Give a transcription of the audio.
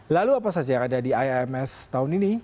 lalu apa saja yang ada di ims tahun ini